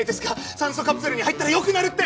酸素カプセルに入ったら良くなるって！